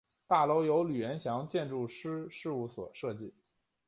大楼由吕元祥建筑师事务所设计。